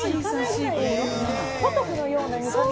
ポトフのような煮込み。